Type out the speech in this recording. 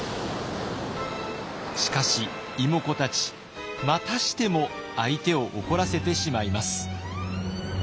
しかし妹子たちまたしても相手を怒らせてしまいます。